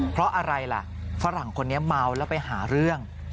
เพราะอะไรล่ะฝรั่งคนนี้เมาแล้วไปหาเรื่อง